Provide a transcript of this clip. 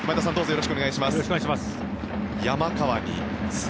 よろしくお願いします。